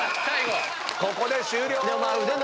ここで終了！